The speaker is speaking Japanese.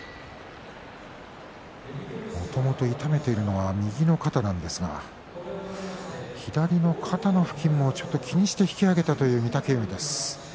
もともと痛めているのは右の肩なんですが左の肩の付近を気にして引き揚げていきました御嶽海です。